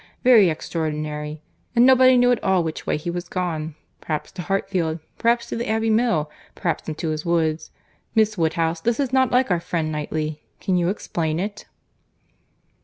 —Very extraordinary!—And nobody knew at all which way he was gone. Perhaps to Hartfield, perhaps to the Abbey Mill, perhaps into his woods.—Miss Woodhouse, this is not like our friend Knightley!—Can you explain it?"